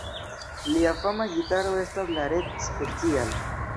Lia fama gitaro estas la Red Special.